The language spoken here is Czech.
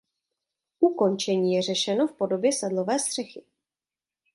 Ukončení je řešeno v podobě sedlové střechy.